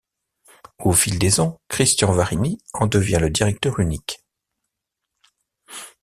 Au fil des ans, Christian Varini en devient le directeur unique.